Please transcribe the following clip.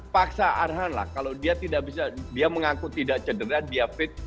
paksa arhan lah kalau dia mengaku tidak cederet dia fit